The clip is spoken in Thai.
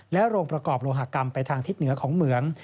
โรงประกอบโลหกรรมไปทางทิศเหนือของเหมือง